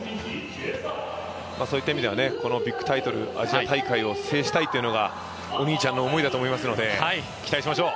そういった意味ではこのビッグタイトルアジア大会を制したいというのがお兄ちゃんの思いだと思いますので期待しましょう。